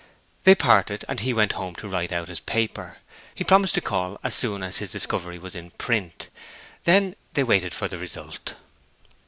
They parted, and he went home to write out his paper. He promised to call as soon as his discovery was in print. Then they waited for the result.